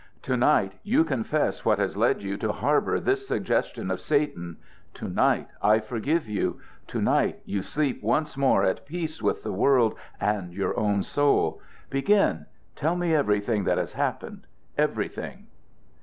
"To night you confess what has led you to harbor this suggestion of Satan. To night I forgive you. To night you sleep once more at peace with the world and your own soul. Begin! Tell me everything that has happened everything!"